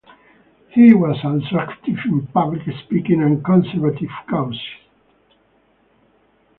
He was also active in public speaking and conservative causes.